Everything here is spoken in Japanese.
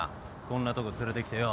こんなとこ連れてきてよ。